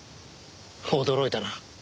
驚いたな。